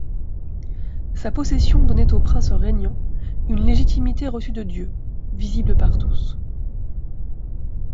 Sa possession donnait au prince régnant une légitimité reçue de Dieu, visible par tous.